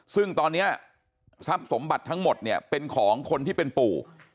ซึ่งตอนนี้ทรัพย์สมบัติทั้งหมดเนี่ยเป็นของคนที่เป็นปู่